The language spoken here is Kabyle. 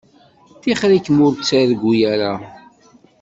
Tixeṛ-ikem ur ttargu ara.